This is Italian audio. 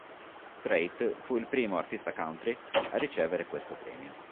Strait fu il primo artista country a ricevere questo premio.